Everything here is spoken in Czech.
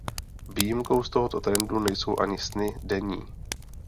Výjimkou z tohoto trendu nejsou ani sny denní.